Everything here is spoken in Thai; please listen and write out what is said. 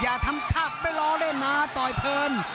อย่าทำภาพไม่รอเล่นมาต่อยเพลิน